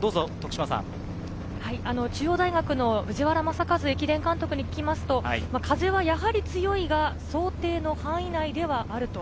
中央大学の藤原正和駅伝監督に聞くと風は強いが想定の範囲内ではある。